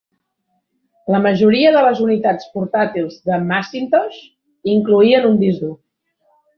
La majoria de les unitats portàtils de Macintosh incloïen un disc dur.